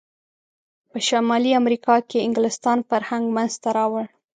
په شمالي امریکا کې انګلسان فرهنګ منځته راوړ.